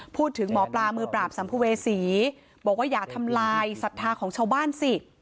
พูดถึงหมอปลามือปราบสัมภเวษีบอกว่าอย่าทำลายศรัทธาของชาวบ้านสิ